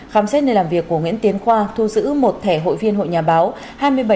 khám xét nơi làm việc của nguyễn tiến khoa thu giữ một thẻ hội viên hội nhà báo